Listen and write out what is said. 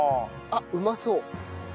あっうまそう。